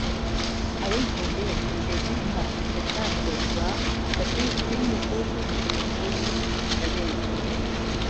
ئەوەی هەولێر زۆربەی کات لە کار کەوتووە بە پێی گوتەی نەخۆش و پزیشکانی ئەوێ